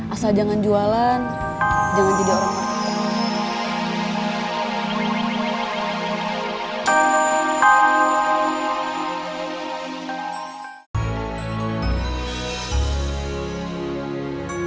asal jangan jualan jangan jadi orang orang